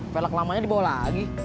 pelek lamanya dibawa lagi